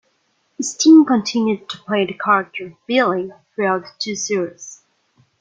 Steen continued to play the character of "Billy" throughout the two series.